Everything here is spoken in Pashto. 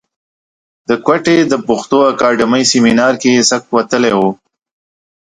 د کوټې د پښتو اکاډمۍ سیمنار کې یې سک وتلی و.